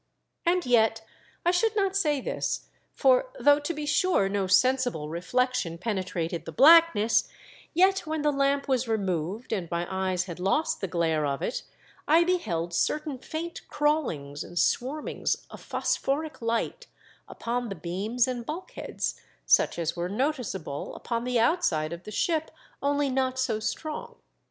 And yet I should not say this, for, though I04 THE DEATH SHIP. to be sure no sensible reflection penetrated the blackness, yet when the lamp was re moved and my eyes had lost the glare of it, I beheld certam faint crawlings and swarmings of phosphoric light upon the beams and bulkheads, such as were noticeable upon the outside of the ship, only not so strong.